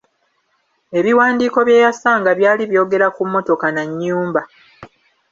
Ebiwandiiko bye yasanga byali byogera ku mmotoka na nnyumba.